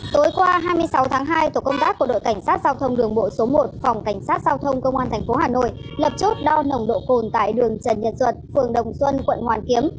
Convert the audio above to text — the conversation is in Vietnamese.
tối qua hai mươi sáu tháng hai tổ công tác của đội cảnh sát giao thông đường bộ số một phòng cảnh sát giao thông công an tp hà nội lập chốt đo nồng độ cồn tại đường trần nhật duật phường đồng xuân quận hoàn kiếm